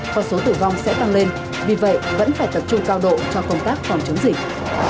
con số tử vong sẽ tăng lên vì vậy vẫn phải tập trung cao độ cho công tác phòng chống dịch